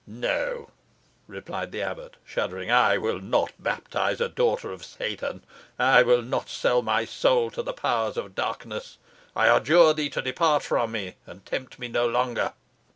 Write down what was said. "No," replied the abbot, shuddering; "I will not baptise a daughter of Satan. I will not sell my soul to the powers of darkness. I adjure thee to depart from me, and tempt me no longer."